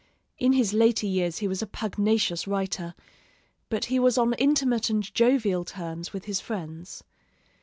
In his later years he was a pugnacious writer, but he was on intimate and jovial terms with his friends.